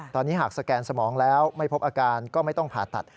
ตอนนี้หากสแกนสมองแล้วไม่พบอาการก็ไม่ต้องผ่าตัด